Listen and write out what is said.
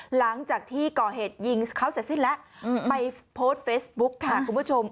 หลังจากที่ก่อเหตุยิงเขาเสร็จสิ้นแล้วไปโพสต์เฟซบุ๊กค่ะคุณผู้ชม